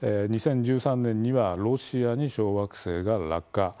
２０１３年にはロシアに小惑星が落下。